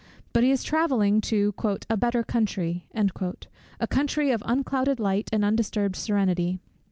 But he is travelling to "a better country," a country of unclouded light and undisturbed serenity.